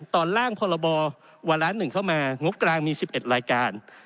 ตอนล่างพรบวาระ๑เข้ามางบกลางมี๑๑รายการ